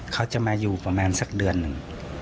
เขาจะมาอยู่ประมาณสักเดือนหนึ่ง